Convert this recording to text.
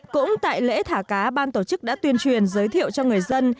cũng tại lễ thả cá ban tổ chức đã tuyên truyền giới thiệu cho người dân